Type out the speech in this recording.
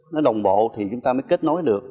nó đồng bộ thì chúng ta mới kết nối được